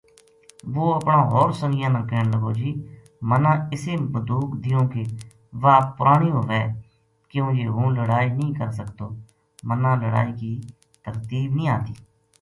وہ اپنا ہور سنگیاں نا کہن لگو جی منا اِسی مدوک دیوں کی واہ پرانی ہووے کیوں جی ہوں لڑائی نیہہ کر سکتو منا لڑائی کی ترتیب نیہہ آتی